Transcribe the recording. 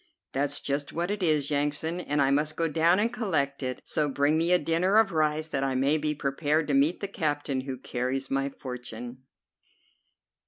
"That's just what it is, Yansan, and I must go down and collect it; so bring me a dinner of rice, that I may be prepared to meet the captain who carries my fortune."